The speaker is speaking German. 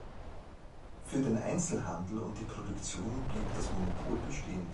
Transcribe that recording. Für den Einzelhandel und die Produktion blieb das Monopol bestehen.